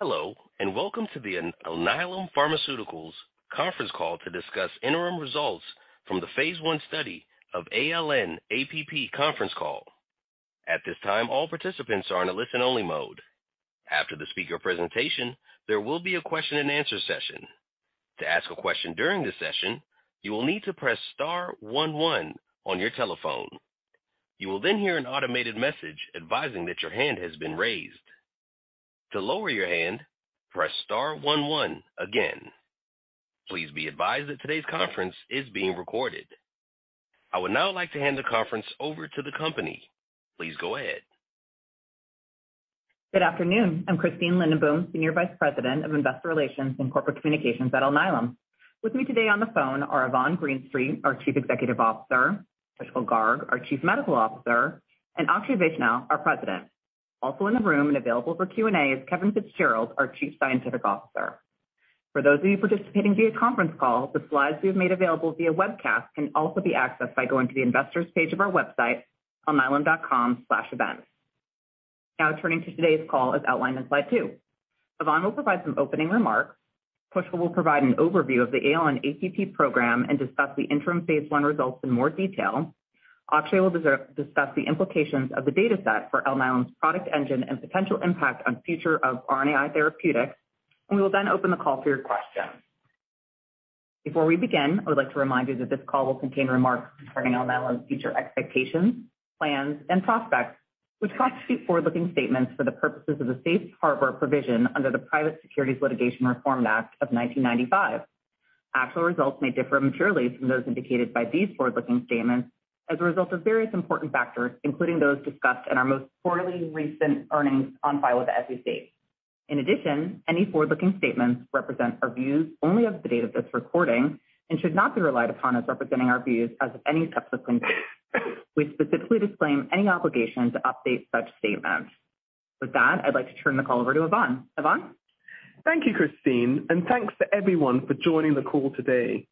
Hello, and welcome to the Alnylam Pharmaceuticals Conference Call to discuss interim results from the phase I study of ALN-APP. At this time, all participants are in a listen-only mode. After the speaker presentation, there will be a question-and-answer session. To ask a question during this session, you will need to press star 11 on your telephone. You will then hear an automated message advising that your hand has been raised. To lower your hand, press star 11 again. Please be advised that today's conference is being recorded. I would now like to hand the conference over to the company. Please go ahead. Good afternoon. I'm Christine Lindenboom, Senior Vice President of Investor Relations and Corporate Communications at Alnylam. With me today on the phone are Yvonne Greenstreet, our Chief Executive Officer; Pushkal Garg, our Chief Medical Officer; and Akshay Vaishnaw, our President. Also in the room and available for Q&A is Kevin Fitzgerald, our Chief Scientific Officer. For those of you participating via conference call, the slides we have made available via webcast can also be accessed by going to the investors page of our website, alnylam.com/events. Now, turning to today's call as outlined in slide two, Yvonne will provide some opening remarks, Pushkal will provide an overview of the ALN-APP program, and discuss the interim phase I results in more detail. Akshay will discuss the implications of the data set for Alnylam's product engine and potential impact on the future of RNAi therapeutics. We will then open the call for your questions. Before we begin, I would like to remind you that this call will contain remarks concerning Alnylam's future expectations, plans, and prospects, which constitute forward-looking statements for the purposes of the Safe Harbor Provision under the Private Securities Litigation Reform Act of 1995. Actual results may differ materially from those indicated by these forward-looking statements as a result of various important factors, including those discussed in our most recent earnings release on file with the SEC. In addition, any forward-looking statements represent our views only as of the date of this recording and should not be relied upon as representing our views as of any subsequent date. We specifically disclaim any obligation to update such statements. With that, I'd like to turn the call over to Yvonne. Yvonne? Thank you, Christine, and thanks to everyone for joining the call today.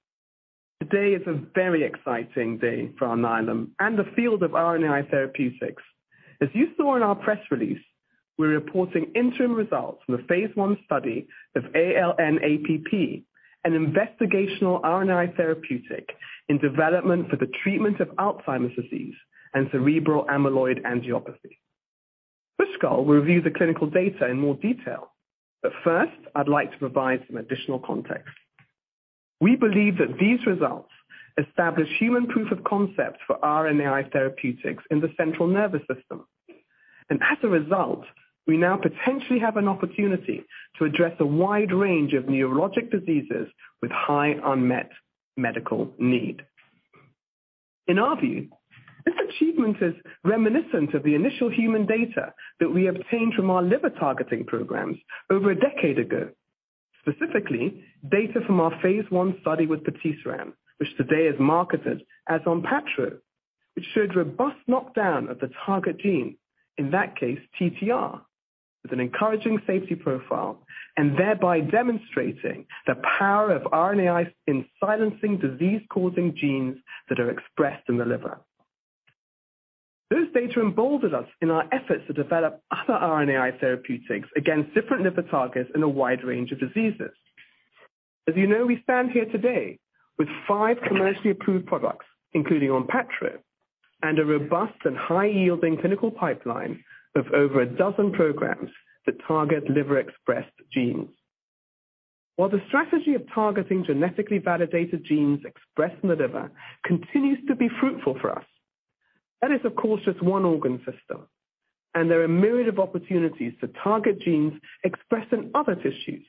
Today is a very exciting day for Alnylam and the field of RNAi therapeutics. As you saw in our press release, we're reporting interim results from the phase I study of ALN-APP, an investigational RNAi therapeutic in development for the treatment of Alzheimer's disease and cerebral amyloid angiopathy. Pushkal will review the clinical data in more detail, but first, I'd like to provide some additional context. We believe that these results establish human proof of concept for RNAi therapeutics in the central nervous system, and as a result, we now potentially have an opportunity to address a wide range of neurologic diseases with high unmet medical need. In our view, this achievement is reminiscent of the initial human data that we obtained from our liver targeting programs over a decade ago, specifically data from our phase I study with patisiran, which today is marketed as Onpattro, which showed robust knockdown of the target gene, in that case, TTR, with an encouraging safety profile and thereby demonstrating the power of RNAi in silencing disease-causing genes that are expressed in the liver. Those data emboldened us in our efforts to develop other RNAi therapeutics against different liver targets in a wide range of diseases. As you know, we stand here today with five commercially approved products, including Onpattro, and a robust and high-yielding clinical pipeline of over a dozen programs that target liver-expressed genes. While the strategy of targeting genetically validated genes expressed in the liver continues to be fruitful for us, that is, of course, just one organ system, and there are a myriad of opportunities to target genes expressed in other tissues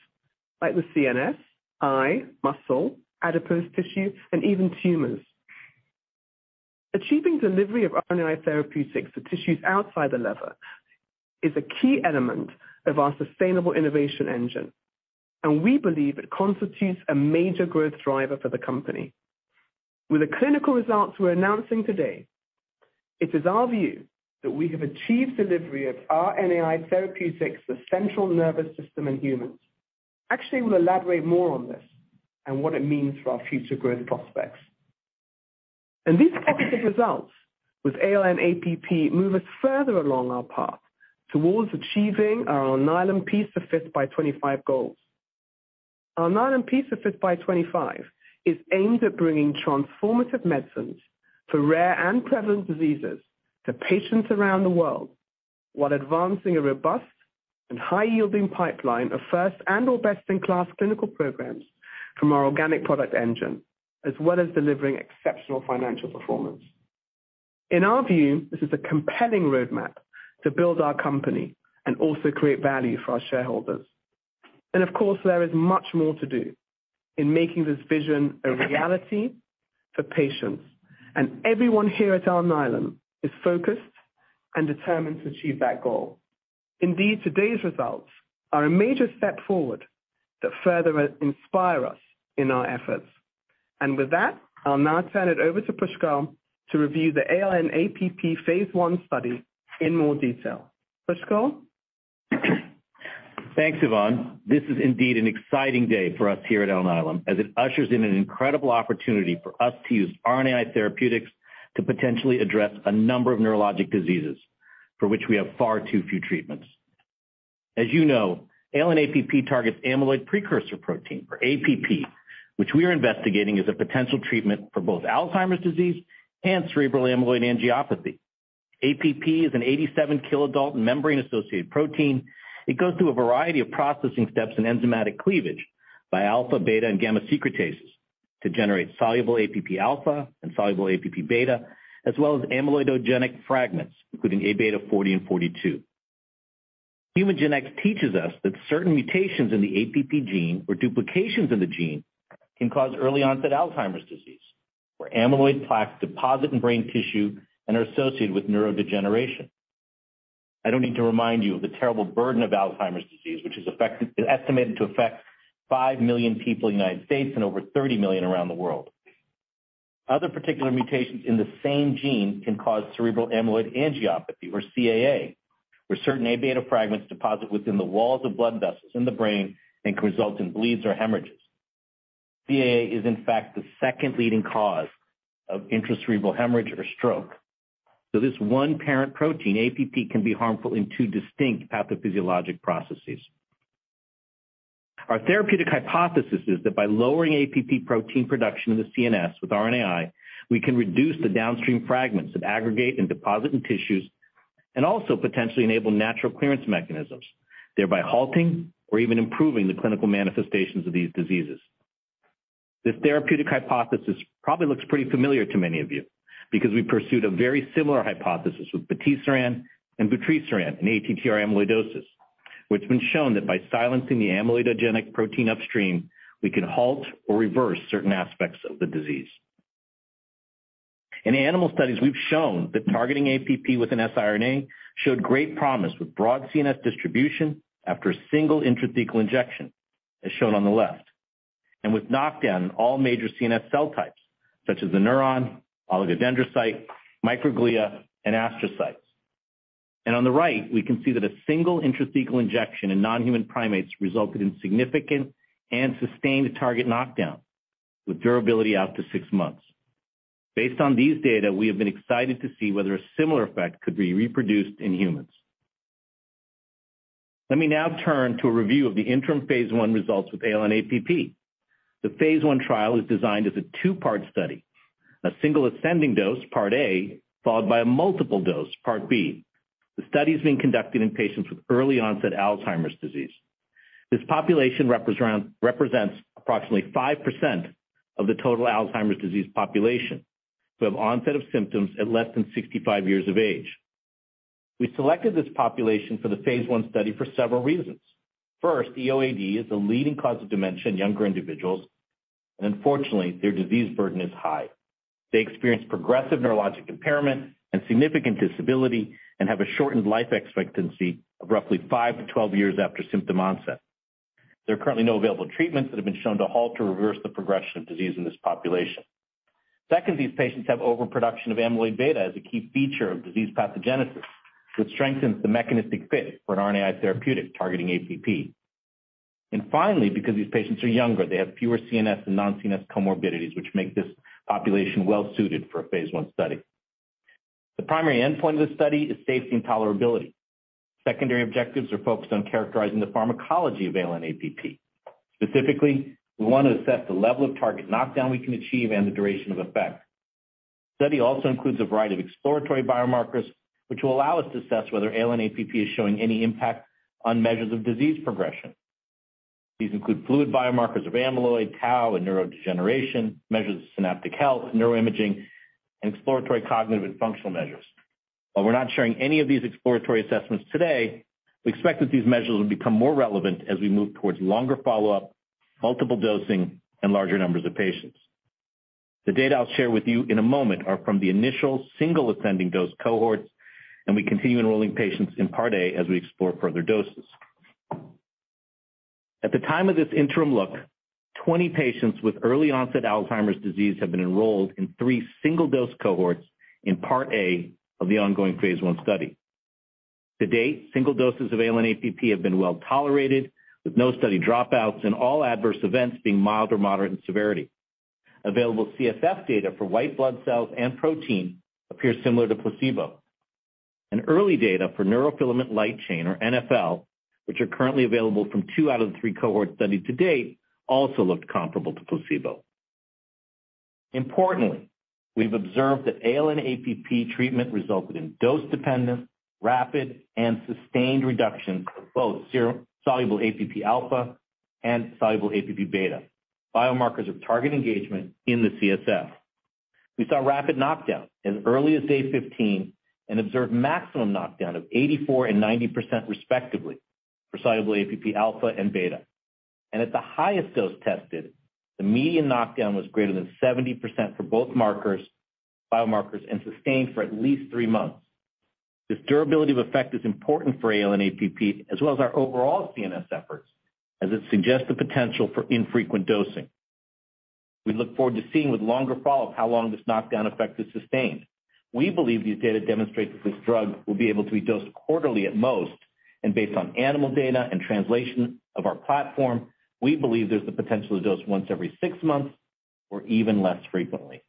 like the CNS, eye, muscle, adipose tissue, and even tumors. Achieving delivery of RNAi therapeutics to tissues outside the liver is a key element of our sustainable innovation engine, and we believe it constitutes a major growth driver for the company. With the clinical results we're announcing today, it is our view that we have achieved delivery of RNAi therapeutics to the central nervous system in humans. Akshay will elaborate more on this and what it means for our future growth prospects, and these positive results with ALN-APP move us further along our path towards achieving our Alnylam P5x25 goals. Our Alnylam P5x25 is aimed at bringing transformative medicines for rare and prevalent diseases to patients around the world while advancing a robust and high-yielding pipeline of first and/or best-in-class clinical programs from our organic product engine, as well as delivering exceptional financial performance. In our view, this is a compelling roadmap to build our company and also create value for our shareholders. And of course, there is much more to do in making this vision a reality for patients. And everyone here at Alnylam is focused and determined to achieve that goal. Indeed, today's results are a major step forward that further inspire us in our efforts. And with that, I'll now turn it over to Pushkal to review the ALN-APP phase I study in more detail. Pushkal? Thanks, Yvonne. This is indeed an exciting day for us here at Alnylam as it ushers in an incredible opportunity for us to use RNAi therapeutics to potentially address a number of neurologic diseases for which we have far too few treatments. As you know, ALN-APP targets amyloid precursor protein or APP, which we are investigating as a potential treatment for both Alzheimer's disease and cerebral amyloid angiopathy. APP is an 87-kilodalton membrane-associated protein. It goes through a variety of processing steps in enzymatic cleavage by alpha, beta, and gamma secretases to generate soluble APP alpha and soluble APP beta, as well as amyloidogenic fragments, including A beta 40 and 42. Human genetics teaches us that certain mutations in the APP gene or duplications in the gene can cause early-onset Alzheimer's disease, where amyloid plaques deposit in brain tissue and are associated with neurodegeneration. I don't need to remind you of the terrible burden of Alzheimer's disease, which is estimated to affect five million people in the United States and over 30 million around the world. Other particular mutations in the same gene can cause cerebral amyloid angiopathy or CAA, where certain A beta fragments deposit within the walls of blood vessels in the brain and can result in bleeds or hemorrhages. CAA is, in fact, the second leading cause of intracerebral hemorrhage or stroke. So this one precursor protein, APP, can be harmful in two distinct pathophysiologic processes. Our therapeutic hypothesis is that by lowering APP protein production in the CNS with RNAi, we can reduce the downstream fragments that aggregate and deposit in tissues and also potentially enable natural clearance mechanisms, thereby halting or even improving the clinical manifestations of these diseases. This therapeutic hypothesis probably looks pretty familiar to many of you because we pursued a very similar hypothesis with the TTR and vutrisiran in ATTR amyloidosis, where it's been shown that by silencing the amyloidogenic protein upstream, we can halt or reverse certain aspects of the disease. In animal studies, we've shown that targeting APP with an siRNA showed great promise with broad CNS distribution after a single intrathecal injection, as shown on the left, and with knockdown in all major CNS cell types, such as the neuron, oligodendrocyte, microglia, and astrocytes, and on the right, we can see that a single intrathecal injection in non-human primates resulted in significant and sustained target knockdown with durability out to six months. Based on these data, we have been excited to see whether a similar effect could be reproduced in humans. Let me now turn to a review of the interim phase I results with ALN-APP. The phase I trial is designed as a two-part study: a single ascending dose, part A, followed by a multiple dose, Part B. The study is being conducted in patients with early-onset Alzheimer's disease. This population represents approximately 5% of the total Alzheimer's disease population who have onset of symptoms at less than 65 years of age. We selected this population for the phase I study for several reasons. First, EOAD is the leading cause of dementia in younger individuals, and unfortunately, their disease burden is high. They experience progressive neurologic impairment and significant disability and have a shortened life expectancy of roughly five to 12 years after symptom onset. There are currently no available treatments that have been shown to halt or reverse the progression of disease in this population. Second, these patients have overproduction of amyloid beta as a key feature of disease pathogenesis, which strengthens the mechanistic fit for an RNAi therapeutic targeting APP. Finally, because these patients are younger, they have fewer CNS and non-CNS comorbidities, which make this population well-suited for a phase I study. The primary endpoint of the study is safety and tolerability. Secondary objectives are focused on characterizing the pharmacology of ALN-APP. Specifically, we want to assess the level of target knockdown we can achieve and the duration of effect. The study also includes a variety of exploratory biomarkers, which will allow us to assess whether ALN-APP is showing any impact on measures of disease progression. These include fluid biomarkers of amyloid, tau, and neurodegeneration, measures of synaptic health, neuroimaging, and exploratory cognitive and functional measures. While we're not sharing any of these exploratory assessments today, we expect that these measures will become more relevant as we move towards longer follow-up, multiple dosing, and larger numbers of patients. The data I'll share with you in a moment are from the initial single ascending dose cohorts, and we continue enrolling patients in part A as we explore further doses. At the time of this interim look, 20 patients with early-onset Alzheimer's disease have been enrolled in three single-dose cohorts in part A of the ongoing phase I study. To date, single doses of ALN-APP have been well tolerated, with no study dropouts and all adverse events being mild or moderate in severity. Available CSF data for white blood cells and protein appear similar to placebo. Early data for neurofilament light chain, or NfL, which are currently available from two out of the three cohorts studied to date, also looked comparable to placebo. Importantly, we've observed that ALN-APP treatment resulted in dose-dependent, rapid, and sustained reductions of both soluble APP alpha and soluble APP beta, biomarkers of target engagement in the CSF. We saw rapid knockdown as early as day 15 and observed maximum knockdown of 84% and 90%, respectively, for soluble APP alpha and beta. At the highest dose tested, the median knockdown was greater than 70% for both biomarkers and sustained for at least three months. This durability of effect is important for ALN-APP, as well as our overall CNS efforts, as it suggests the potential for infrequent dosing. We look forward to seeing with longer follow-up how long this knockdown effect is sustained. We believe these data demonstrate that this drug will be able to be dosed quarterly at most, and based on animal data and translation of our platform, we believe there's the potential to dose once every six months or even less frequently.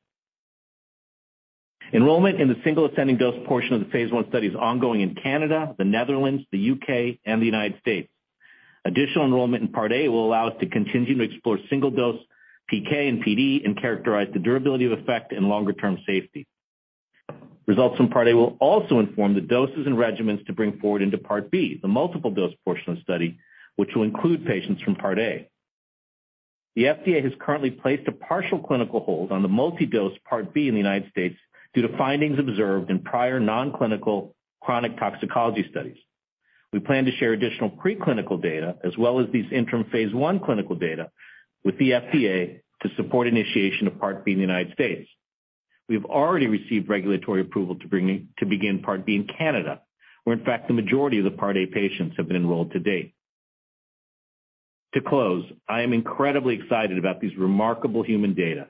Enrollment in the single ascending dose portion of the phase I study is ongoing in Canada, the Netherlands, the U.K. and the United States. Additional enrollment in part A will allow us to continue to explore single-dose PK and PD and characterize the durability of effect and longer-term safety. Results from part A will also inform the doses and regimens to bring forward into part B, the multiple dose portion of the study, which will include patients from part A. The FDA has currently placed a partial clinical hold on the multi-dose part B in the United States due to findings observed in prior non-clinical chronic toxicology studies. We plan to share additional preclinical data as well as these interim phase I clinical data with the FDA to support initiation of part B in the United States. We've already received regulatory approval to begin part B in Canada, where, in fact, the majority of the part A patients have been enrolled to date. To close, I am incredibly excited about these remarkable human data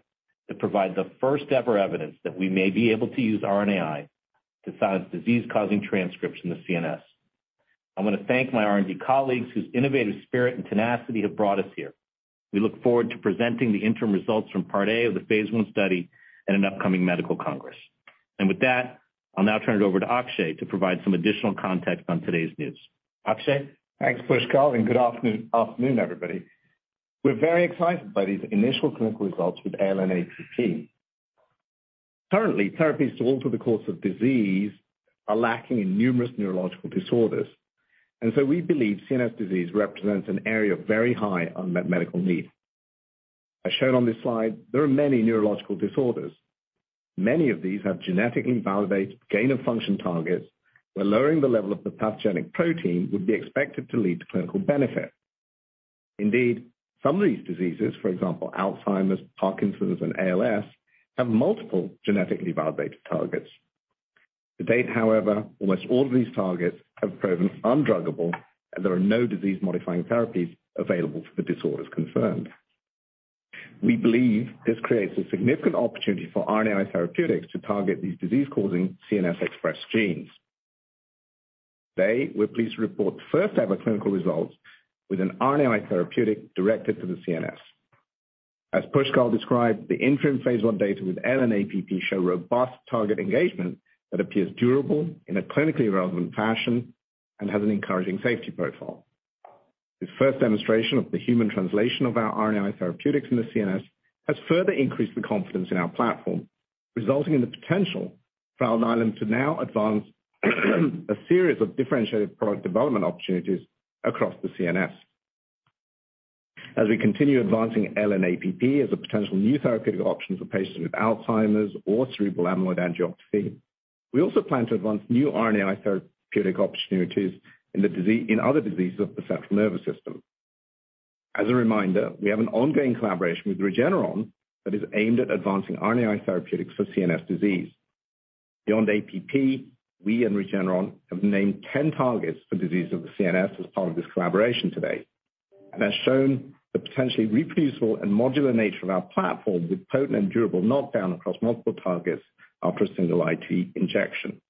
that provide the first-ever evidence that we may be able to use RNAi to silence disease-causing transcripts in the CNS. I want to thank my R&D colleagues whose innovative spirit and tenacity have brought us here. We look forward to presenting the interim results from part A of the phase I study at an upcoming medical congress. And with that, I'll now turn it over to Akshay to provide some additional context on today's news. Akshay? Thanks, Pushkal, and good afternoon, everybody. We're very excited by these initial clinical results with ALN-APP. Currently, therapies to alter the course of disease are lacking in numerous neurological disorders, and so we believe CNS disease represents an area of very high unmet medical need. As shown on this slide, there are many neurological disorders. Many of these have genetically validated gain-of-function targets, where lowering the level of the pathogenic protein would be expected to lead to clinical benefit. Indeed, some of these diseases, for example, Alzheimer's, Parkinson's, and ALS, have multiple genetically validated targets. To date, however, almost all of these targets have proven undruggable, and there are no disease-modifying therapies available for the disorders concerned. We believe this creates a significant opportunity for RNAi therapeutics to target these disease-causing CNS expressed genes. Today, we're pleased to report the first-ever clinical results with an RNAi therapeutic directed to the CNS. As Pushkal described, the interim phase I data with ALN-APP show robust target engagement that appears durable in a clinically relevant fashion and has an encouraging safety profile. This first demonstration of the human translation of our RNAi therapeutics in the CNS has further increased the confidence in our platform, resulting in the potential for Alnylam to now advance a series of differentiated product development opportunities across the CNS. As we continue advancing ALN-APP as a potential new therapeutic option for patients with Alzheimer's or cerebral amyloid angiopathy, we also plan to advance new RNAi therapeutic opportunities in other diseases of the central nervous system. As a reminder, we have an ongoing collaboration with Regeneron that is aimed at advancing RNAi therapeutics for CNS disease. Beyond APP, we and Regeneron have named 10 targets for diseases of the CNS as part of this collaboration today. As shown, the potentially reproducible and modular nature of our platform with potent and durable knockdown across multiple targets after a single IT injection.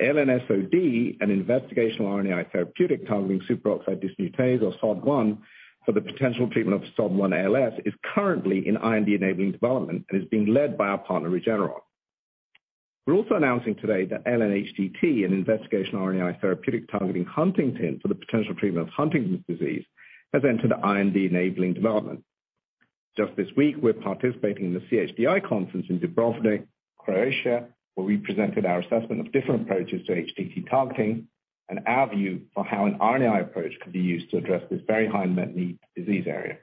ALN-SOD, an investigational RNAi therapeutic targeting superoxide dismutase or SOD1 for the potential treatment of SOD1 ALS, is currently in IND-enabling development and is being led by our partner Regeneron. We're also announcing today that ALN-HTT, an investigational RNAi therapeutic targeting huntingtin for the potential treatment of Huntington's disease, has entered IND-enabling development. Just this week, we're participating in the CHDI conference in Dubrovnik, Croatia, where we presented our assessment of different approaches to HTT targeting and our view for how an RNAi approach could be used to address this very high unmet need disease area.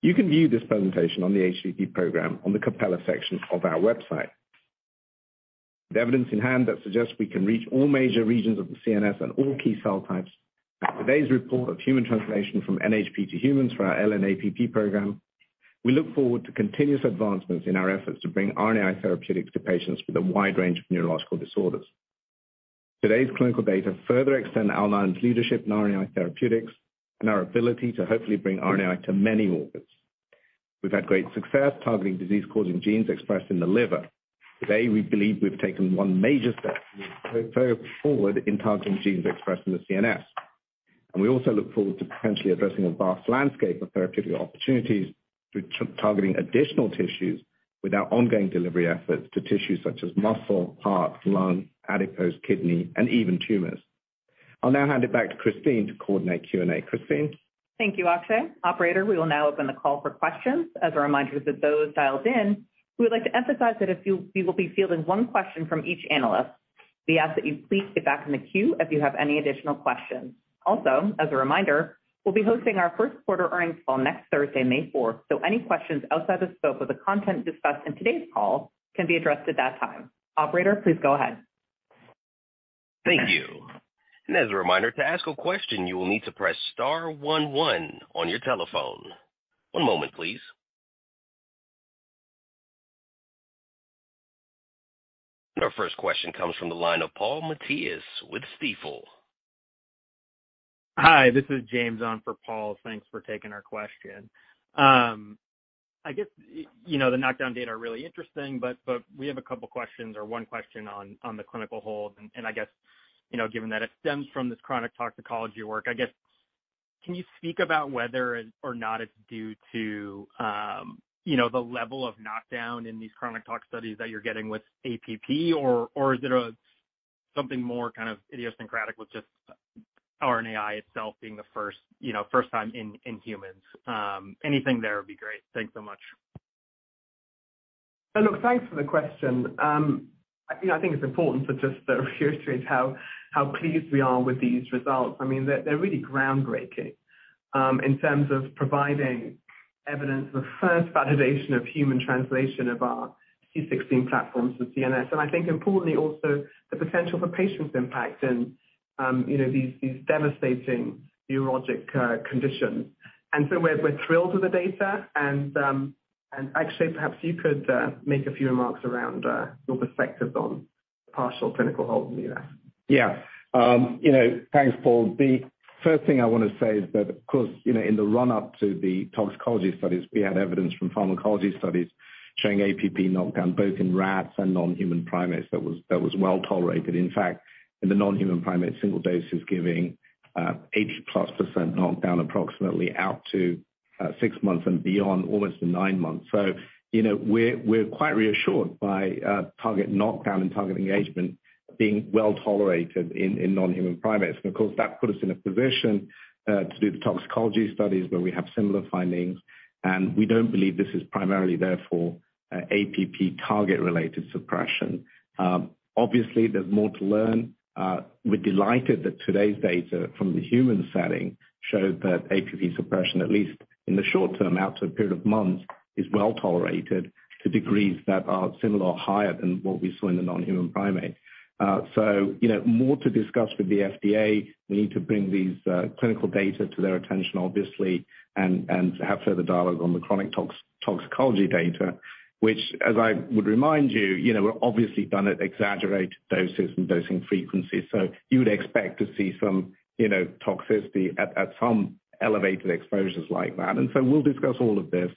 You can view this presentation on the ALN-HTT program on the Capella section of our website. With evidence in hand that suggests we can reach all major regions of the CNS and all key cell types and today's report of human translation from NHP to humans for our ALN-APP program, we look forward to continuous advancements in our efforts to bring RNAi therapeutics to patients with a wide range of neurological disorders. Today's clinical data further extend Alnylam's leadership in RNAi therapeutics and our ability to hopefully bring RNAi to many organs. We've had great success targeting disease-causing genes expressed in the liver. Today, we believe we've taken one major step forward in targeting genes expressed in the CNS. And we also look forward to potentially addressing a vast landscape of therapeutic opportunities through targeting additional tissues with our ongoing delivery efforts to tissues such as muscle, heart, lung, adipose, kidney, and even tumors. I'll now hand it back to Christine to coordinate Q&A. Christine? Thank you, Akshay. Operator, we will now open the call for questions. As a reminder to those dialed in, we would like to emphasize that if you will be fielding one question from each analyst, we ask that you please get back in the queue if you have any additional questions. Also, as a reminder, we'll be hosting our first quarter earnings call next Thursday, May 4th. So any questions outside the scope of the content discussed in today's call can be addressed at that time. Operator, please go ahead. Thank you. And as a reminder, to ask a question, you will need to press star 11 on your telephone. One moment, please. Our first question comes from the line of Paul Matteis with Stifel. Hi, this is James on for Paul. Thanks for taking our question. I guess the knockdown data are really interesting, but we have a couple of questions or one question on the clinical hold. And I guess, given that it stems from this chronic toxicology work, I guess, can you speak about whether or not it's due to the level of knockdown in these chronic tox studies that you're getting with APP? Or is it something more kind of idiosyncratic with just RNAi itself being the first time in humans? Anything there would be great. Thanks so much. Look, thanks for the question. I think it's important to just illustrate how pleased we are with these results. I mean, they're really groundbreaking in terms of providing evidence of first validation of human translation of our C16 platforms for CNS. And I think, importantly, also the potential for patient impact in these devastating neurologic conditions. And so we're thrilled with the data. And Akshay, perhaps you could make a few remarks around your perspectives on the partial clinical hold in the U.S. Yeah. Thanks, Paul. The first thing I want to say is that, of course, in the run-up to the toxicology studies, we had evidence from pharmacology studies showing APP knockdown both in rats and non-human primates that was well tolerated. In fact, in the non-human primate, single dose is giving 80+% knockdown approximately out to six months and beyond, almost to nine months, so we're quite reassured by target knockdown and target engagement being well tolerated in non-human primates. And of course, that put us in a position to do the toxicology studies where we have similar findings, and we don't believe this is primarily, therefore, APP target-related suppression. Obviously, there's more to learn. We're delighted that today's data from the human setting showed that APP suppression, at least in the short term, out to a period of months, is well tolerated to degrees that are similar or higher than what we saw in the non-human primate. So more to discuss with the FDA. We need to bring these clinical data to their attention, obviously, and have further dialogue on the chronic toxicology data, which, as I would remind you, we've obviously done at exaggerated doses and dosing frequencies. So you would expect to see some toxicity at some elevated exposures like that. And so we'll discuss all of this.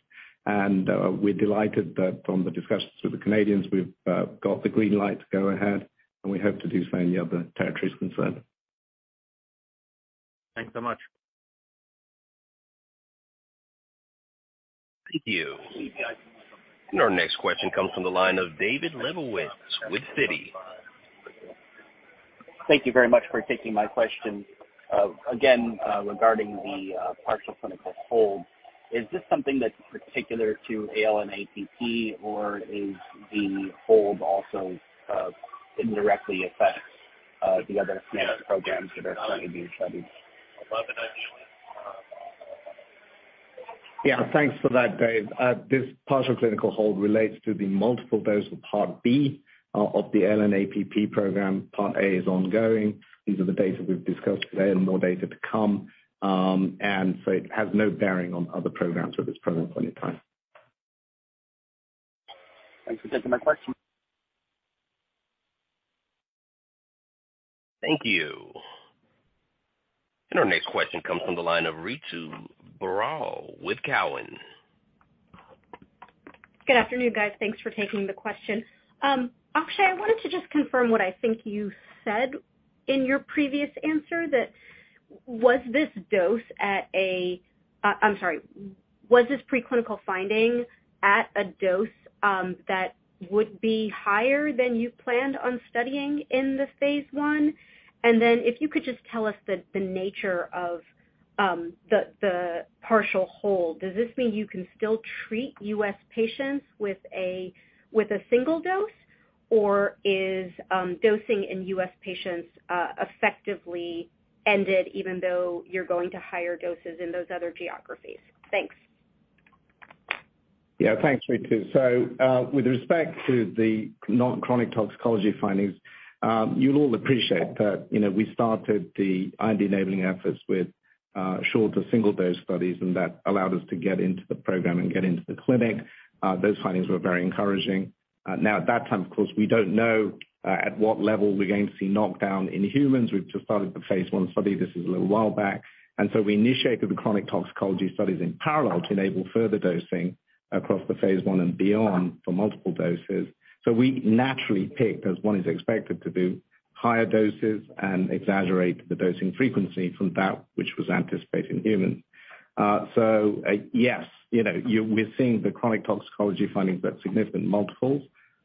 And we're delighted that from the discussions with the Canadians, we've got the green light to go ahead. And we hope to do so in the other territories concerned. Thanks so much. Thank you. Our next question comes from the line of David Lebowitz with Citi. Thank you very much for taking my question. Again, regarding the partial clinical hold, is this something that's particular to ALN-APP, or is the hold also indirectly affecting the other CNS programs that are currently being studied? Yeah, thanks for that, Dave. This partial clinical hold relates to the multiple dose of part B of the ALN-APP program. Part A is ongoing. These are the data we've discussed today and more data to come. And so it has no bearing on other programs at this present point in time. Thanks for taking my question. Thank you. And our next question comes from the line of Ritu Baral with Cowen. Good afternoon, guys. Thanks for taking the question. Akshay, I wanted to just confirm what I think you said in your previous answer. Was this preclinical finding at a dose that would be higher than you planned on studying in the phase I? And then if you could just tell us the nature of the partial hold, does this mean you can still treat U.S. patients with a single dose, or is dosing in U.S. patients effectively ended even though you're going to higher doses in those other geographies? Thanks. Yeah, thanks, Ritu. So with respect to the non-chronic toxicology findings, you'll all appreciate that we started the IND-enabling efforts with shorter single-dose studies, and that allowed us to get into the program and get into the clinic. Those findings were very encouraging. Now, at that time, of course, we don't know at what level we're going to see knockdown in humans. We've just started the phase I study. This is a little while back. And so we initiated the chronic toxicology studies in parallel to enable further dosing across the phase I and beyond for multiple doses. So we naturally picked, as one is expected to do, higher doses and exaggerate the dosing frequency from that which was anticipated in humans. So yes, we're seeing the chronic toxicology findings at significant multiples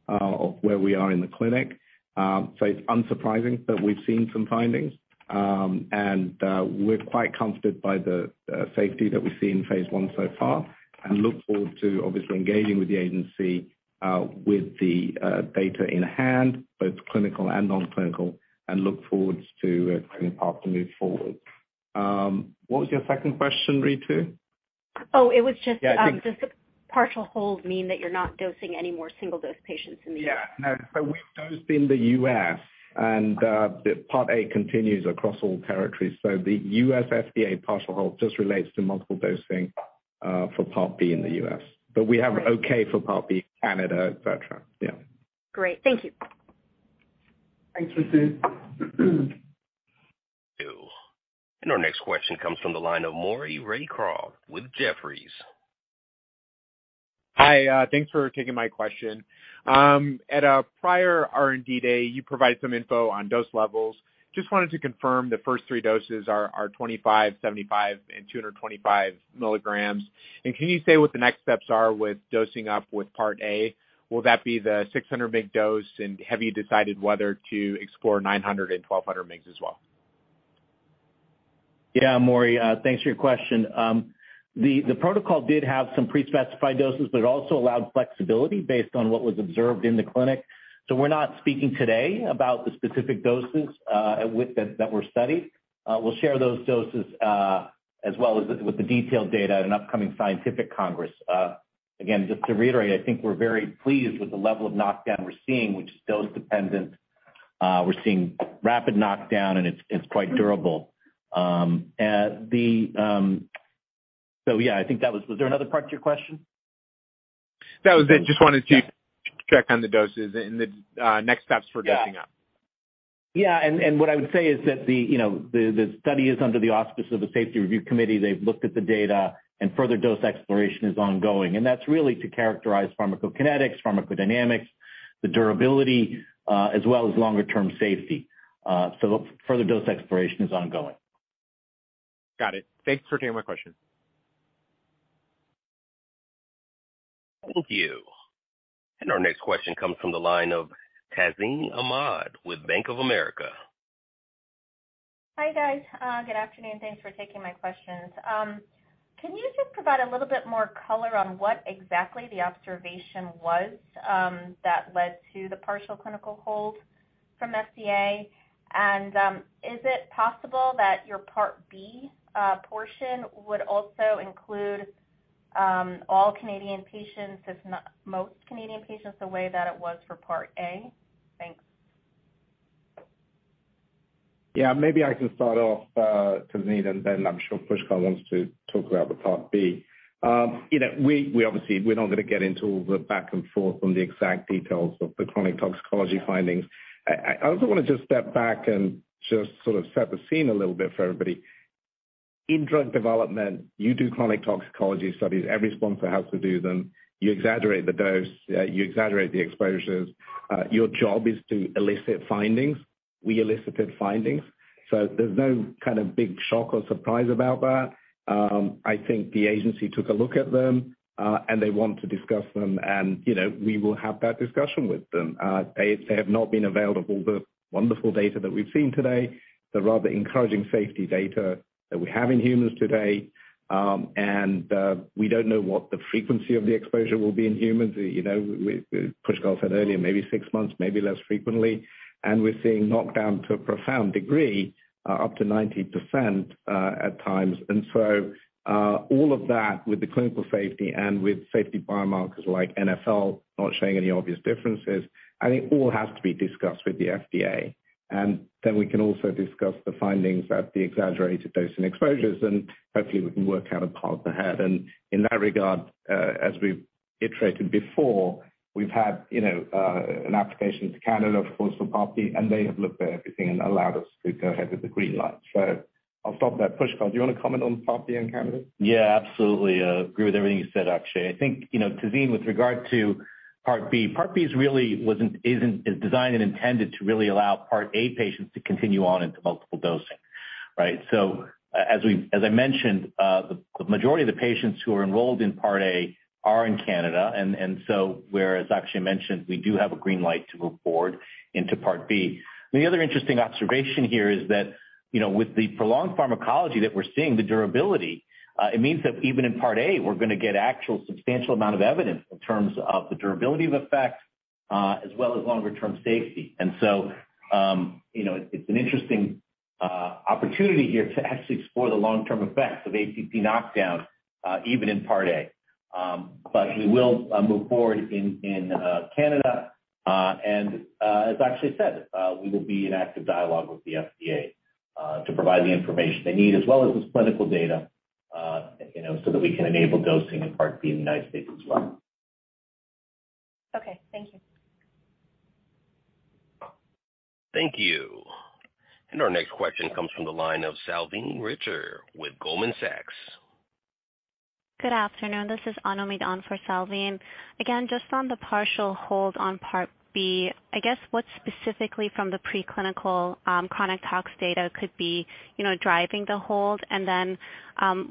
of where we are in the clinic. So it's unsurprising that we've seen some findings. We're quite comforted by the safety that we've seen in phase I so far and look forward to, obviously, engaging with the agency with the data in hand, both clinical and non-clinical, and look forward to having a path to move forward. What was your second question, Ritu? Oh, it was just, does the partial hold mean that you're not dosing any more single-dose patients in the U.S.? Yeah. No, so we've dosed in the U.S., and part A continues across all territories. So the U.S. FDA partial hold just relates to multiple dosing for part B in the U.S. But we have okay for part B in Canada, etc. Yeah. Great. Thank you. Thanks, Ritu. Our next question comes from the line of Maury Raycroft with Jefferies. Hi. Thanks for taking my question. At a prior R&D day, you provided some info on dose levels. Just wanted to confirm the first three doses are 25, 75, and 225 mg. And can you say what the next steps are with dosing up with part A? Will that be the 600 mg dose? And have you decided whether to explore 900 and 1200 mg as well? Yeah, Maury, thanks for your question. The protocol did have some pre-specified doses, but it also allowed flexibility based on what was observed in the clinic. So we're not speaking today about the specific doses that were studied. We'll share those doses as well as with the detailed data at an upcoming scientific congress. Again, just to reiterate, I think we're very pleased with the level of knockdown we're seeing, which is dose-dependent. We're seeing rapid knockdown, and it's quite durable. So yeah, I think that was there another part to your question? That was it. Just wanted to check on the doses and the next steps for dosing up. Yeah, and what I would say is that the study is under the auspices of a safety review committee. They've looked at the data, and further dose exploration is ongoing, and that's really to characterize pharmacokinetics, pharmacodynamics, the durability, as well as longer-term safety, so further dose exploration is ongoing. Got it. Thanks for taking my question. Thank you. And our next question comes from the line of Tazeen Ahmad with Bank of America. Hi, guys. Good afternoon. Thanks for taking my questions. Can you just provide a little bit more color on what exactly the observation was that led to the partial clinical hold from FDA? And is it possible that your part B portion would also include all Canadian patients, if not most Canadian patients, the way that it was for part A? Thanks. Yeah, maybe I can start off, Tazeen, and then I'm sure Pushkal wants to talk about the Part B. We obviously, we're not going to get into all the back and forth on the exact details of the chronic toxicology findings. I also want to just step back and just sort of set the scene a little bit for everybody. In drug development, you do chronic toxicology studies. Every sponsor has to do them. You exaggerate the dose. You exaggerate the exposures. Your job is to elicit findings. We elicited findings. So there's no kind of big shock or surprise about that. I think the agency took a look at them, and they want to discuss them, and we will have that discussion with them. They have not been availed of all the wonderful data that we've seen today, the rather encouraging safety data that we have in humans today. We don't know what the frequency of the exposure will be in humans. Pushkal said earlier, maybe six months, maybe less frequently. We're seeing knockdown to a profound degree, up to 90% at times. So all of that, with the clinical safety and with safety biomarkers like NfL not showing any obvious differences, I think all has to be discussed with the FDA. Then we can also discuss the findings at the exaggerated dose and exposures, and hopefully, we can work out a path ahead. In that regard, as we've iterated before, we've had an application to Canada, of course, for part B, and they have looked at everything and allowed us to go ahead with the green light. I'll stop there. Pushkal, do you want to comment on part B and Canada? Yeah, absolutely. I agree with everything you said, Akshay. I think, Tazeen, with regard to part B, part B is designed and intended to really allow part A patients to continue on into multiple dosing, right? So as I mentioned, the majority of the patients who are enrolled in part A are in Canada. And so, whereas Akshay mentioned, we do have a green light to move forward into part B. The other interesting observation here is that with the prolonged pharmacology that we're seeing, the durability, it means that even in part A, we're going to get actual substantial amount of evidence in terms of the durability of effect as well as longer-term safety. And so it's an interesting opportunity here to actually explore the long-term effects of APP knockdown, even in part A. But we will move forward in Canada. As Akshay said, we will be in active dialogue with the FDA to provide the information they need, as well as this clinical data, so that we can enable dosing in part B in the United States as well. Okay. Thank you. Thank you. And our next question comes from the line of Salveen Richter with Goldman Sachs. Good afternoon. This is [Anumidan] for Salveen. Again, just on the partial hold on part B, I guess what specifically from the preclinical chronic tox data could be driving the hold? And then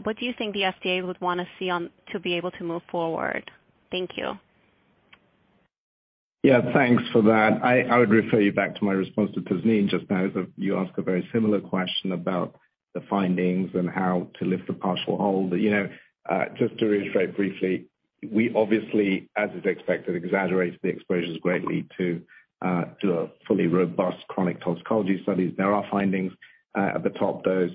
what do you think the FDA would want to see to be able to move forward? Thank you. Yeah, thanks for that. I would refer you back to my response to Tazeen just now, as you ask a very similar question about the findings and how to lift the partial hold. Just to reiterate briefly, we obviously, as is expected, exaggerated the exposures greatly to do a fully robust chronic toxicology studies. There are findings at the top dose.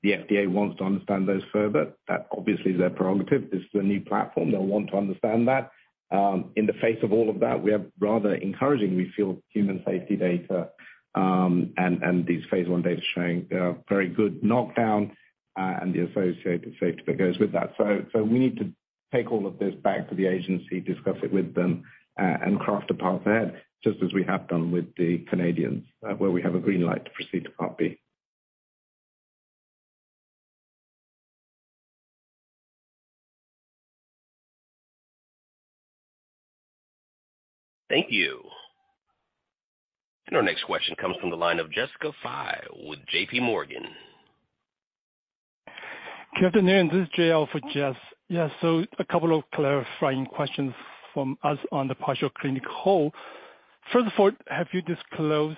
The FDA wants to understand those further. That obviously is their prerogative. This is a new platform. They'll want to understand that. In the face of all of that, we have rather encouraging, we feel, human safety data and these phase I data showing very good knockdown and the associated safety that goes with that. So we need to take all of this back to the agency, discuss it with them, and craft a path ahead, just as we have done with the Canadians, where we have a green light to proceed to part B. Thank you. And our next question comes from the line of Jessica Fye with J.P. Morgan. Good afternoon. This is JL for Jess. Yeah, so a couple of clarifying questions from us on the partial clinical hold. First of all, have you disclosed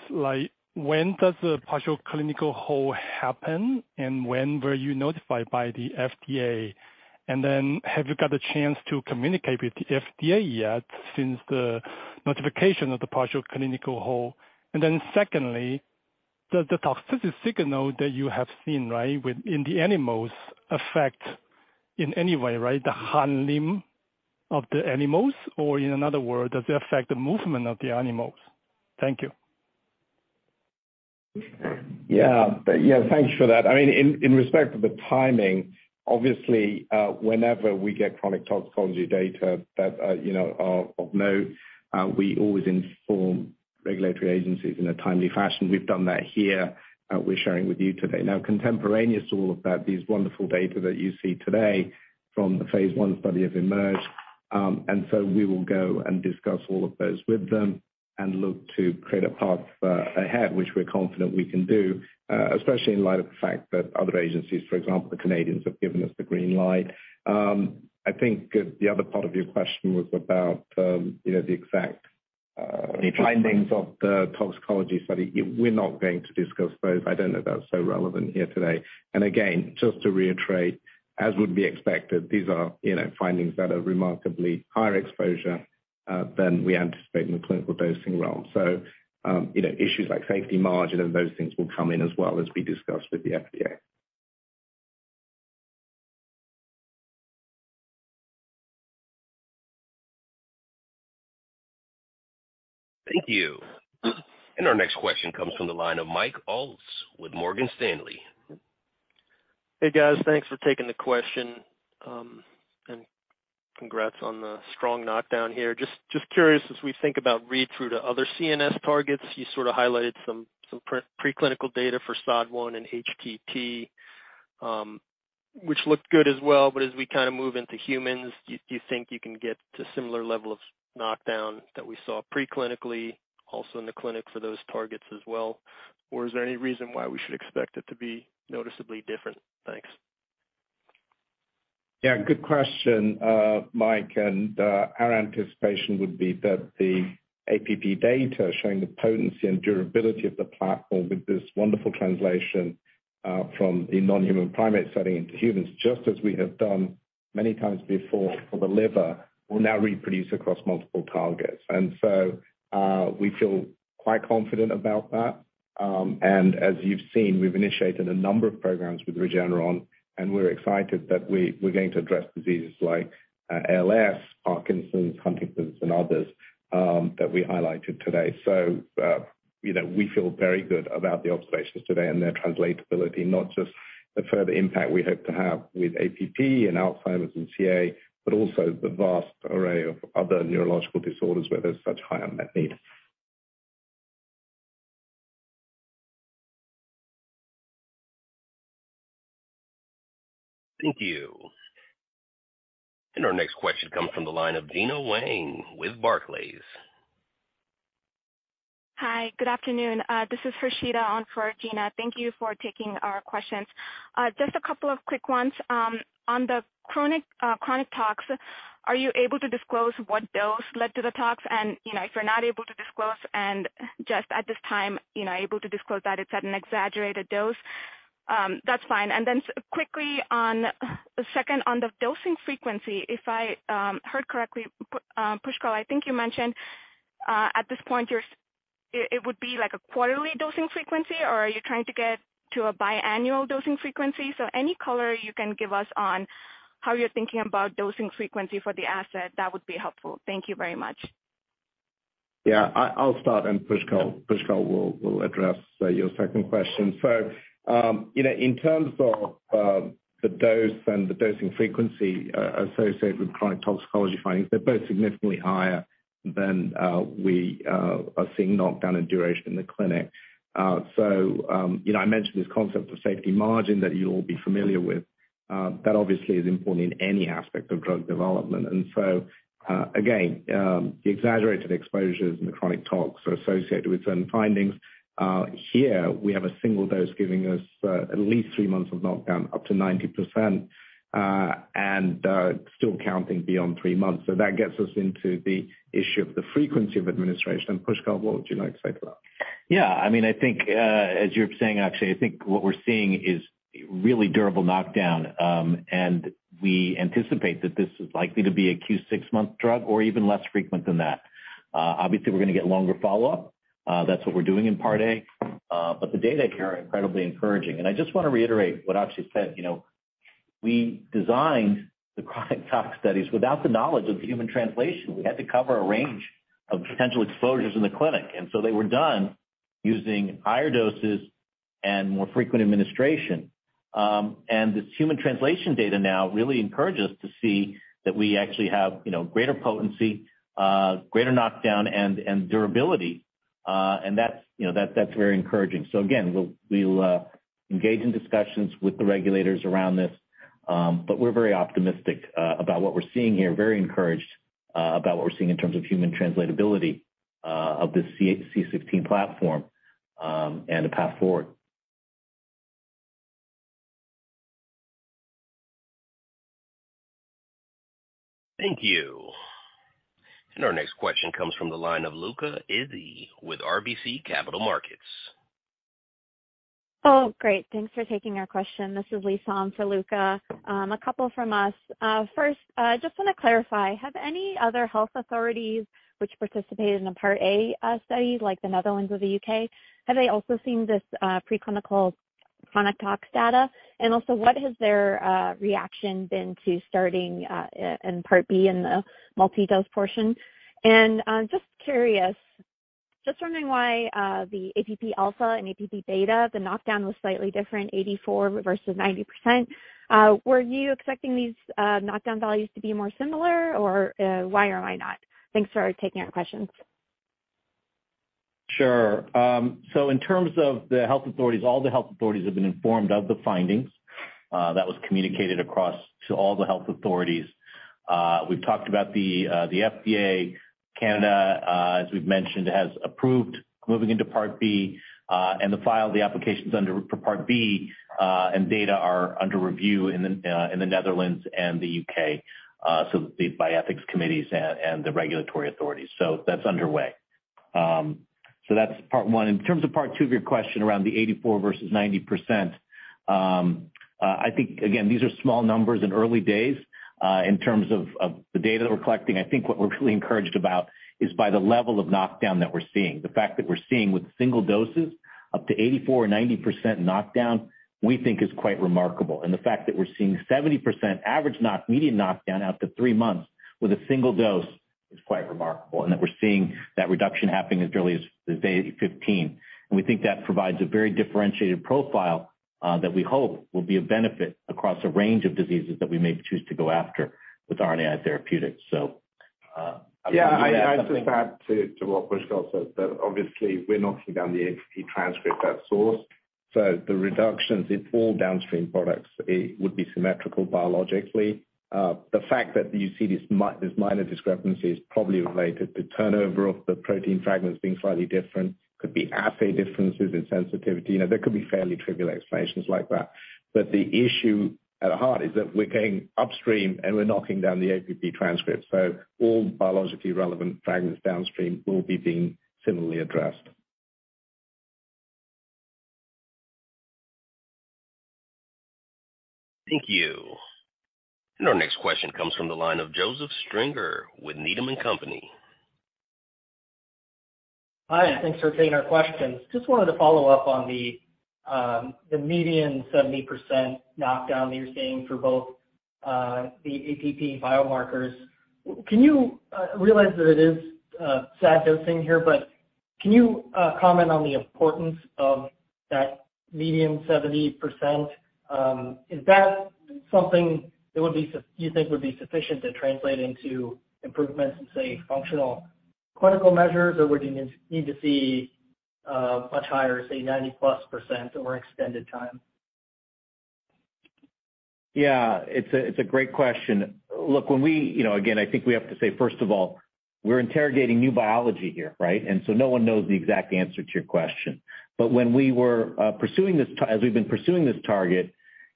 when does the partial clinical hold happen, and when were you notified by the FDA? And then have you got a chance to communicate with the FDA yet since the notification of the partial clinical hold? And then secondly, does the toxicity signal that you have seen, right, in the animals affect in any way, right, the handling of the animals? Or in another word, does it affect the movement of the animals? Thank you. Yeah. Yeah, thanks for that. I mean, in respect of the timing, obviously, whenever we get chronic toxicology data of note, we always inform regulatory agencies in a timely fashion. We've done that here. We're sharing with you today. Now, contemporaneous to all of that, these wonderful data that you see today from the phase I study have emerged, and so we will go and discuss all of those with them and look to create a path ahead, which we're confident we can do, especially in light of the fact that other agencies, for example, the Canadians, have given us the green light. I think the other part of your question was about the exact findings of the toxicology study. We're not going to discuss those. I don't know if that's so relevant here today. Again, just to reiterate, as would be expected, these are findings that are remarkably higher exposure than we anticipate in the clinical dosing realm. Issues like safety margin and those things will come in as well as be discussed with the FDA. Thank you. And our next question comes from the line of Mike Ulz with Morgan Stanley. Hey, guys. Thanks for taking the question. And congrats on the strong knockdown here. Just curious, as we think about read-through to other CNS targets, you sort of highlighted some preclinical data for SOD1 and HTT, which looked good as well. But as we kind of move into humans, do you think you can get to a similar level of knockdown that we saw preclinically, also in the clinic for those targets as well? Or is there any reason why we should expect it to be noticeably different? Thanks. Yeah, good question, Mike. And our anticipation would be that the APP data showing the potency and durability of the platform with this wonderful translation from the non-human primate setting into humans, just as we have done many times before for the liver, will now reproduce across multiple targets. And so we feel quite confident about that. And as you've seen, we've initiated a number of programs with Regeneron, and we're excited that we're going to address diseases like ALS, Parkinson's, Huntington's, and others that we highlighted today. So we feel very good about the observations today and their translatability, not just the further impact we hope to have with APP and Alzheimer's and CA, but also the vast array of other neurological disorders where there's such high unmet need. Thank you. And our next question comes from the line of Gina Wang with Barclays. Hi, good afternoon. This is Harshita on for Gina. Thank you for taking our questions. Just a couple of quick ones. On the chronic tox, are you able to disclose what dose led to the tox? And if you're not able to disclose and just at this time able to disclose that it's at an exaggerated dose, that's fine. And then quickly on the second, on the dosing frequency, if I heard correctly, Pushkal, I think you mentioned at this point it would be like a quarterly dosing frequency, or are you trying to get to a biannual dosing frequency? So any color you can give us on how you're thinking about dosing frequency for the asset, that would be helpful. Thank you very much. Yeah, I'll start, and Pushkal will address your second question. So in terms of the dose and the dosing frequency associated with chronic toxicology findings, they're both significantly higher than we are seeing knockdown and duration in the clinic. So I mentioned this concept of safety margin that you'll all be familiar with. That obviously is important in any aspect of drug development. And so again, the exaggerated exposures and the chronic tox are associated with certain findings. Here, we have a single dose giving us at least three months of knockdown, up to 90%, and still counting beyond three months. So that gets us into the issue of the frequency of administration. And Pushkal, what would you like to say to that? Yeah. I mean, I think, as you're saying, Akshay, I think what we're seeing is really durable knockdown. And we anticipate that this is likely to be a Q6-month drug or even less frequent than that. Obviously, we're going to get longer follow-up. That's what we're doing in part A. But the data here are incredibly encouraging. And I just want to reiterate what Akshay said. We designed the chronic tox studies without the knowledge of the human translation. We had to cover a range of potential exposures in the clinic. And so they were done using higher doses and more frequent administration. And this human translation data now really encourages us to see that we actually have greater potency, greater knockdown, and durability. And that's very encouraging. So again, we'll engage in discussions with the regulators around this. But we're very optimistic about what we're seeing here, very encouraged about what we're seeing in terms of human translatability of this C16 platform and a path forward. Thank you. And our next question comes from the line of Luca Issi with RBC Capital Markets. Oh, great. Thanks for taking our question. This is Lisa on for Luca. A couple from us. First, just want to clarify. Have any other health authorities, which participated in a part A study, like the Netherlands or the UK, have they also seen this preclinical chronic tox data? And also, what has their reaction been to starting in part B in the multi-dose portion? And just curious, just wondering why the APP alpha and APP beta, the knockdown was slightly different, 84% versus 90%. Were you expecting these knockdown values to be more similar, or why or why not? Thanks for taking our questions. Sure. So in terms of the health authorities, all the health authorities have been informed of the findings. That was communicated across to all the health authorities. We've talked about the FDA. Canada, as we've mentioned, has approved moving into part B. And the file of the applications for part B and data are under review in the Netherlands and the U.K., so by ethics committees and the regulatory authorities. So that's underway. So that's part one. In terms of part two of your question around the 84% versus 90%, I think, again, these are small numbers in early days. In terms of the data that we're collecting, I think what we're really encouraged about is by the level of knockdown that we're seeing. The fact that we're seeing with single doses up to 84% or 90% knockdown, we think is quite remarkable. And the fact that we're seeing 70% average median knockdown after three months with a single dose is quite remarkable. And that we're seeing that reduction happening as early as day 15. And we think that provides a very differentiated profile that we hope will be a benefit across a range of diseases that we may choose to go after with RNAi therapeutics. So I would like to add something. Yeah, I just add to what Pushkal said, that obviously, we're knocking down the APP transcript at source. So the reductions in all downstream products would be symmetrical biologically. The fact that you see this minor discrepancy is probably related to turnover of the protein fragments being slightly different. It could be assay differences in sensitivity. There could be fairly trivial explanations like that. But the issue at heart is that we're going upstream and we're knocking down the APP transcript. So all biologically relevant fragments downstream will be being similarly addressed. Thank you. And our next question comes from the line of Joseph Stringer with Needham & Company. Hi. Thanks for taking our questions. Just wanted to follow up on the median 70% knockdown that you're seeing for both the APP biomarkers. Can you realize that it is SAD dosing here, but can you comment on the importance of that median 70%? Is that something that you think would be sufficient to translate into improvements in, say, functional clinical measures, or would you need to see much higher, say, 90 +% or extended time? Yeah, it's a great question. Look, when we again, I think we have to say, first of all, we're interrogating new biology here, right? And so no one knows the exact answer to your question. But when we were pursuing this as we've been pursuing this target,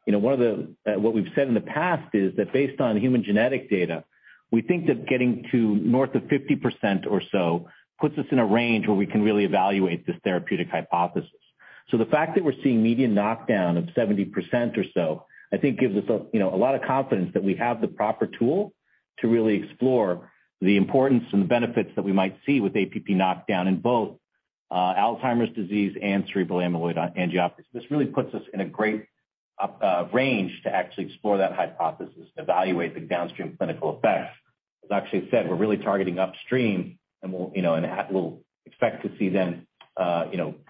one of the what we've said in the past is that based on human genetic data, we think that getting to north of 50% or so puts us in a range where we can really evaluate this therapeutic hypothesis. So the fact that we're seeing median knockdown of 70% or so, I think, gives us a lot of confidence that we have the proper tool to really explore the importance and the benefits that we might see with APP knockdown in both Alzheimer's disease and cerebral amyloid angiopathy. So this really puts us in a great range to actually explore that hypothesis and evaluate the downstream clinical effects. As Akshay said, we're really targeting upstream, and we'll expect to see then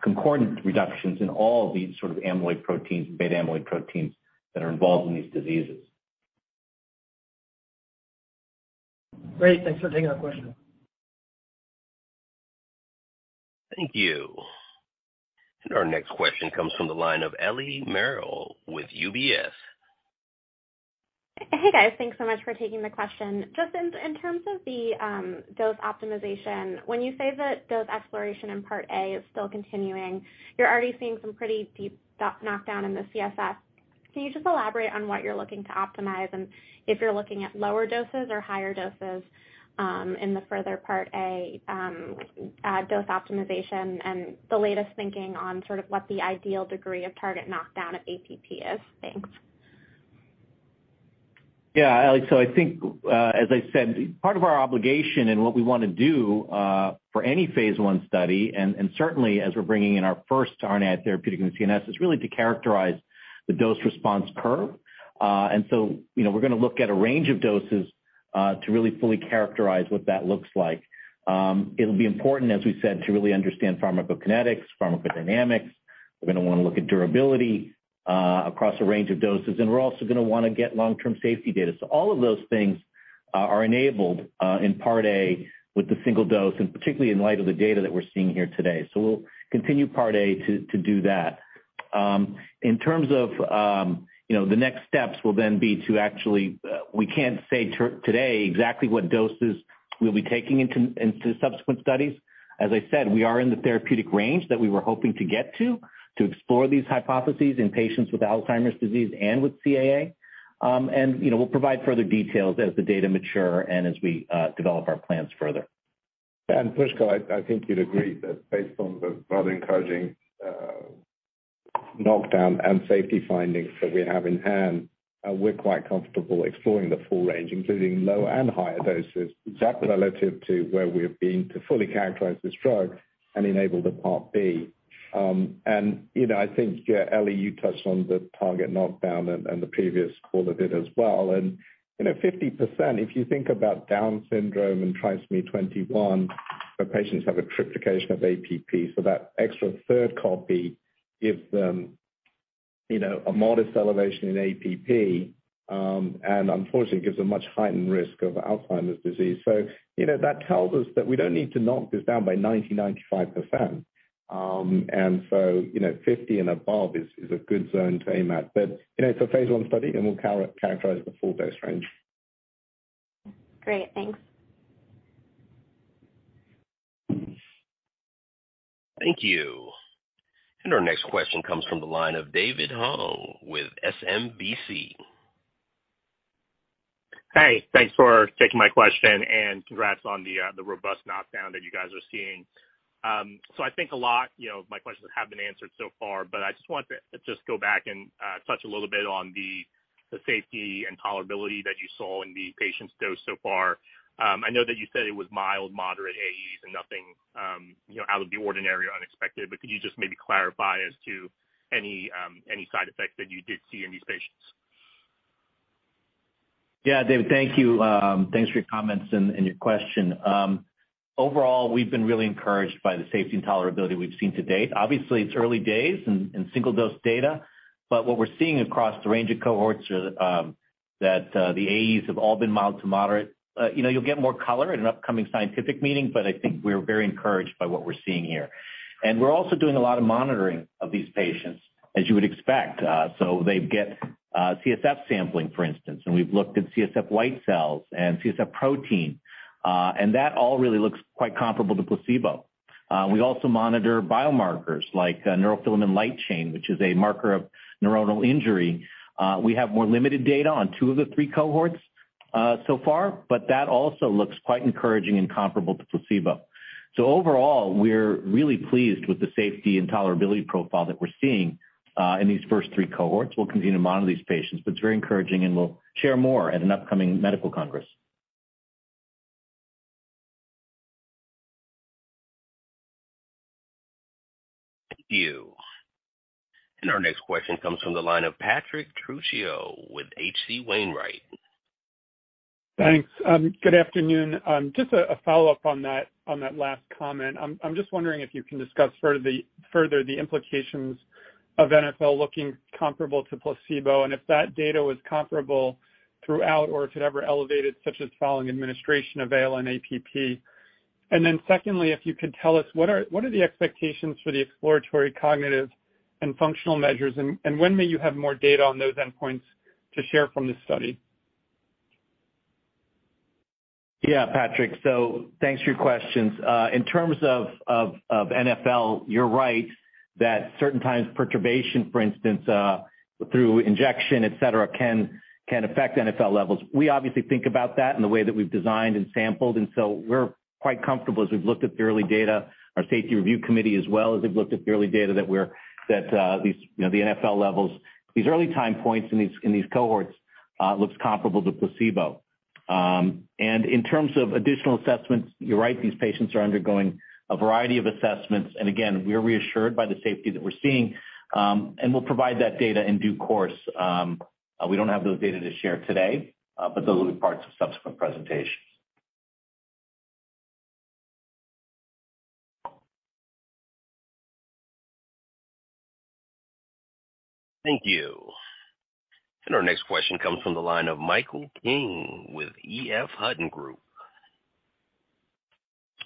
concordant reductions in all these sort of amyloid proteins and beta-amyloid proteins that are involved in these diseases. Great. Thanks for taking our question. Thank you. And our next question comes from the line of Ellie Merle with UBS. Hey, guys. Thanks so much for taking the question. Just in terms of the dose optimization, when you say that dose exploration in part A is still continuing, you're already seeing some pretty deep knockdown in the CSF. Can you just elaborate on what you're looking to optimize and if you're looking at lower doses or higher doses in the further part A dose optimization and the latest thinking on sort of what the ideal degree of target knockdown of APP is? Thanks. Yeah, Ellie. So I think, as I said, part of our obligation and what we want to do for any phase I study, and certainly as we're bringing in our first RNAi therapeutic in CNS, is really to characterize the dose response curve, and so we're going to look at a range of doses to really fully characterize what that looks like. It'll be important, as we said, to really understand pharmacokinetics, pharmacodynamics. We're going to want to look at durability across a range of doses, and we're also going to want to get long-term safety data, so all of those things are enabled in part A with the single dose, and particularly in light of the data that we're seeing here today, so we'll continue part A to do that. In terms of the next steps, will then be to actually we can't say today exactly what doses we'll be taking into subsequent studies. As I said, we are in the therapeutic range that we were hoping to get to, to explore these hypotheses in patients with Alzheimer's disease and with CAA, and we'll provide further details as the data mature and as we develop our plans further. And Pushkal, I think you'd agree that based on the rather encouraging knockdown and safety findings that we have in hand, we're quite comfortable exploring the full range, including lower and higher doses, exactly relative to where we have been to fully characterize this drug and enable the Part B. And I think, Ellie, you touched on the target knockdown and the previous call of it as well. And 50%, if you think about Down syndrome and trisomy 21, the patients have a triplication of APP. So that extra third copy gives them a modest elevation in APP and, unfortunately, gives a much heightened risk of Alzheimer's disease. So that tells us that we don't need to knock this down by 90%, 95%. And so 50 and above is a good zone to aim at. But it's a phase I study, and we'll characterize the full dose range. Great. Thanks. Thank you. And our next question comes from the line of David Hoang with SMBC. Hey, thanks for taking my question and congrats on the robust knockdown that you guys are seeing. So I think a lot of my questions have been answered so far, but I just want to go back and touch a little bit on the safety and tolerability that you saw in the patients dosed so far. I know that you said it was mild, moderate AEs and nothing out of the ordinary or unexpected, but could you just maybe clarify as to any side effects that you did see in these patients? Yeah, David, thank you. Thanks for your comments and your question. Overall, we've been really encouraged by the safety and tolerability we've seen to date. Obviously, it's early days in single-dose data, but what we're seeing across the range of cohorts is that the AEs have all been mild to moderate. You'll get more color in an upcoming scientific meeting, but I think we're very encouraged by what we're seeing here. And we're also doing a lot of monitoring of these patients, as you would expect. So they get CSF sampling, for instance, and we've looked at CSF white cells and CSF protein. And that all really looks quite comparable to placebo. We also monitor biomarkers like neurofilament light chain, which is a marker of neuronal injury. We have more limited data on two of the three cohorts so far, but that also looks quite encouraging and comparable to placebo. So overall, we're really pleased with the safety and tolerability profile that we're seeing in these first three cohorts. We'll continue to monitor these patients, but it's very encouraging, and we'll share more at an upcoming medical congress. Thank you. And our next question comes from the line of Patrick Trucchio with H.C. Wainwright. Thanks. Good afternoon. Just a follow-up on that last comment. I'm just wondering if you can discuss further the implications of NfL looking comparable to placebo and if that data was comparable throughout or if it ever elevated, such as following administration of ALN-APP. And then secondly, if you could tell us, what are the expectations for the exploratory cognitive and functional measures, and when may you have more data on those endpoints to share from the study? Yeah, Patrick. So thanks for your questions. In terms of NfL, you're right that certain times perturbation, for instance, through injection, etc., can affect NfL levels. We obviously think about that in the way that we've designed and sampled. And so we're quite comfortable as we've looked at the early data. Our safety review committee as well as they've looked at the early data that we're that the NfL levels, these early time points in these cohorts looks comparable to placebo. And in terms of additional assessments, you're right, these patients are undergoing a variety of assessments. And again, we're reassured by the safety that we're seeing, and we'll provide that data in due course. We don't have those data to share today, but those will be parts of subsequent presentations. Thank you. And our next question comes from the line of Michael King with EF Hutton.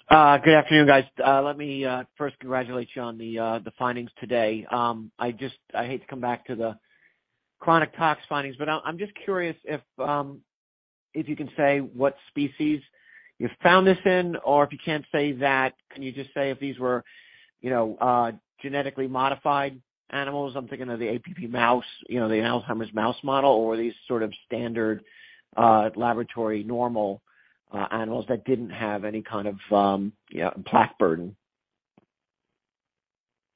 Good afternoon, guys. Let me first congratulate you on the findings today. I hate to come back to the chronic tox findings, but I'm just curious if you can say what species you found this in, or if you can't say that, can you just say if these were genetically modified animals? I'm thinking of the APP mouse, the Alzheimer's mouse model, or these sort of standard laboratory normal animals that didn't have any kind of plaque burden.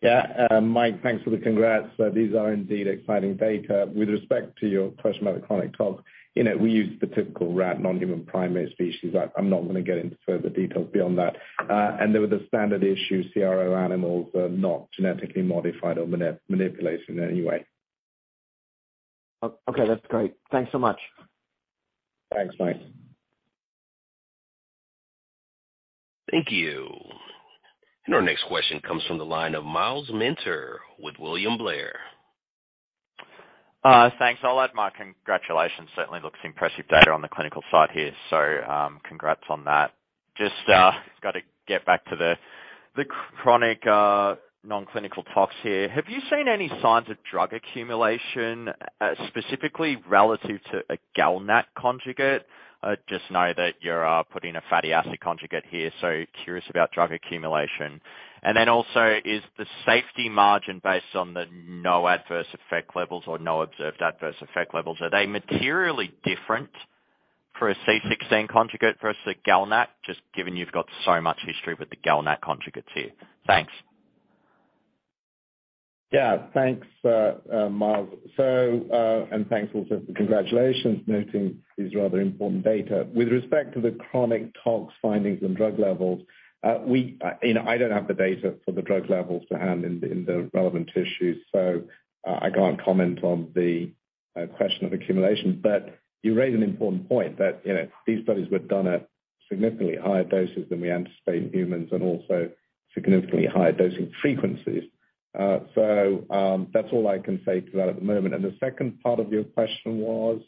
Yeah. Mike, thanks for the congrats. These are indeed exciting data. With respect to your question about the chronic tox, we used the typical rat non-human primate species. I'm not going to get into further details beyond that. And there were the standard issue CRO animals that are not genetically modified or manipulated in any way. Okay. That's great. Thanks so much. Thanks, Mike. Thank you. And our next question comes from the line of Myles Minter with William Blair. Thanks a lot, Mark. Congratulations. Certainly looks impressive data on the clinical side here. So congrats on that. Just got to get back to the chronic non-clinical tox here. Have you seen any signs of drug accumulation, specifically relative to a GalNAc conjugate? Just know that you're putting a fatty acid conjugate here, so curious about drug accumulation. And then also, is the safety margin based on the no adverse effect levels or no observed adverse effect levels? Are they materially different for a C16 conjugate versus a GalNAc, just given you've got so much history with the GalNAc conjugates here? Thanks. Yeah. Thanks, Myles. And thanks also for the congratulations, noting these rather important data. With respect to the chronic tox findings and drug levels, I don't have the data for the drug levels to hand in the relevant issues, so I can't comment on the question of accumulation. But you raise an important point that these studies were done at significantly higher doses than we anticipate in humans and also significantly higher dosing frequencies. So that's all I can say to that at the moment. And the second part of your question was?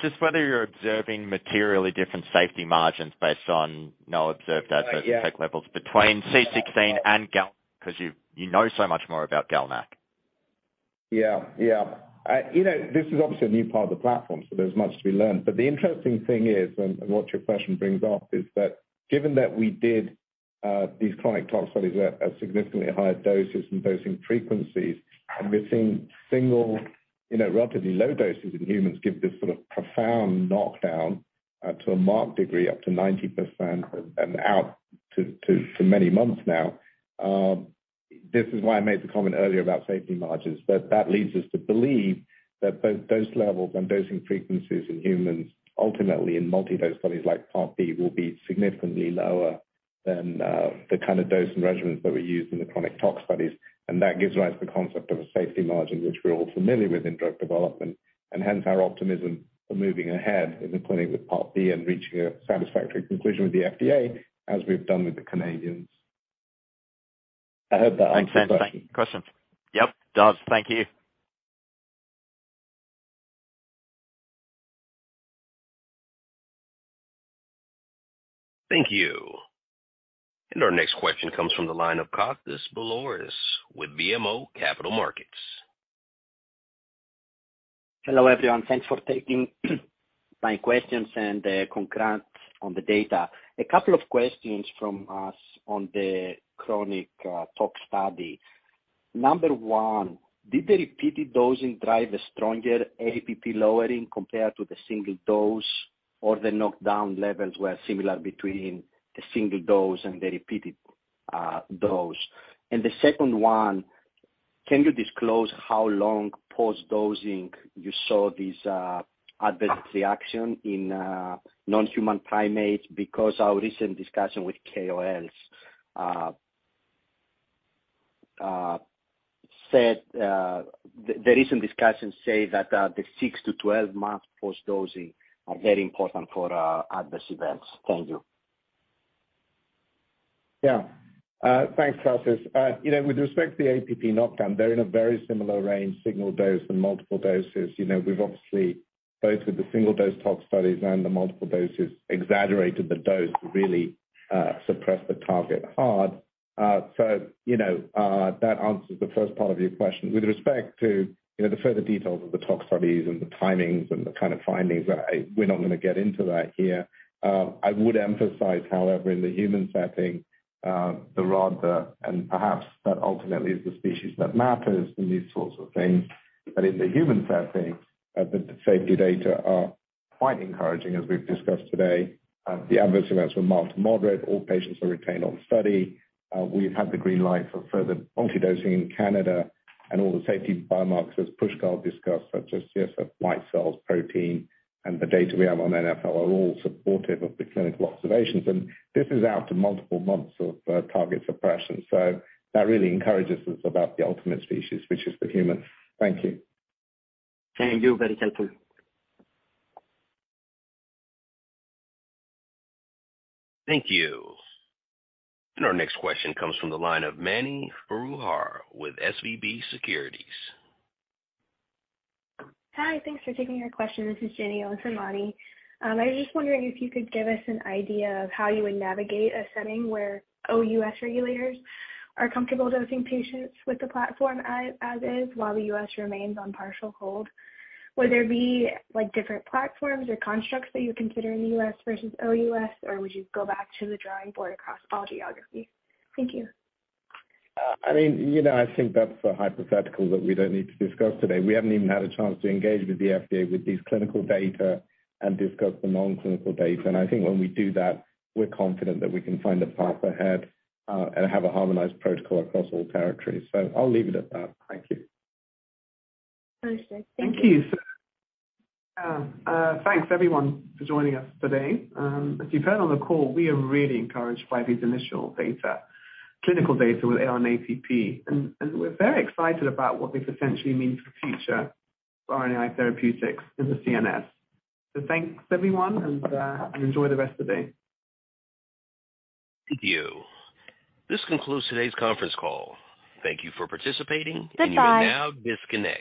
Just whether you're observing materially different safety margins based on no observed adverse effect levels between C16 and GalNAc because you know so much more about GalNAc. Yeah. Yeah. This is obviously a new part of the platform, so there's much to be learned. But the interesting thing is, and what your question brings up, is that given that we did these chronic tox studies at significantly higher doses and dosing frequencies, and we've seen single, relatively low doses in humans give this sort of profound knockdown to a marked degree up to 90% and out to many months now, this is why I made the comment earlier about safety margins. But that leads us to believe that both dose levels and dosing frequencies in humans, ultimately in multidose studies like part B, will be significantly lower than the kind of dose and regimens that we use in the chronic tox studies. And that gives rise to the concept of a safety margin, which we're all familiar with in drug development. And hence our optimism for moving ahead in the clinic with part B and reaching a satisfactory conclusion with the FDA, as we've done with the Canadians. I hope that answers that question. Yep. Does. Thank you. Thank you. And our next question comes from the line of Kostas Biliouris with BMO Capital Markets. Hello, everyone. Thanks for taking my questions and congrats on the data. A couple of questions from us on the chronic tox study. Number one, did the repeated dosing drive a stronger APP lowering compared to the single dose or the knockdown levels were similar between the single dose and the repeated dose? And the second one, can you disclose how long post-dosing you saw this adverse reaction in non-human primates because our recent discussions with KOLs say that the 6-12-month post-dosing are very important for adverse events? Thank you. Yeah. Thanks, Kostas. With respect to the APP knockdown, they're in a very similar range, single dose and multiple doses. We've obviously, both with the single-dose tox studies and the multiple doses, exaggerated the dose to really suppress the target hard. So that answers the first part of your question. With respect to the further details of the tox studies and the timings and the kind of findings, we're not going to get into that here. I would emphasize, however, in the human setting, the rodent and perhaps that ultimately is the species that matters in these sorts of things. But in the human setting, the safety data are quite encouraging, as we've discussed today. The adverse events were mild to moderate. All patients were retained on study. We've had the green light for further multiple dosing in Canada, and all the safety biomarkers as Pushkal discussed, such as CSF, white cells, protein, and the data we have on NfL are all supportive of the clinical observations, and this is up to multiple months of target suppression, so that really encourages us about the ultimate species, which is the human. Thank you. Thank you. Very helpful. Thank you. And our next question comes from the line of Mani Foroohar with SVB Securities. Hi. Thanks for taking our question. This is Jenny Goldstein for Mani. I was just wondering if you could give us an idea of how you would navigate a setting where OUS regulators are comfortable dosing patients with the platform as is while the U.S. remains on partial hold. Would there be different platforms or constructs that you would consider in the U.S. versus OUS, or would you go back to the drawing board across all geographies? Thank you. I mean, I think that's a hypothetical that we don't need to discuss today. We haven't even had a chance to engage with the FDA with these clinical data and discuss the non-clinical data. And I think when we do that, we're confident that we can find a path ahead and have a harmonized protocol across all territories. So I'll leave it at that. Thank you. Perfect Thank you.. Thanks, everyone, for joining us today. As you've heard on the call, we are really encouraged by these initial data, clinical data with ALN-APP. And we're very excited about what this essentially means for future RNAi therapeutics in the CNS. So thanks, everyone, and enjoy the rest of the day. Thank you. This concludes today's conference call. Thank you for participating. Now, disconnect.